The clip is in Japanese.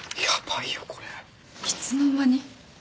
いつの間に？